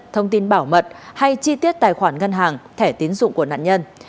thông tin bảo mật hay chi tiết tài khoản ngân hàng thẻ tín dụng của nạn nhân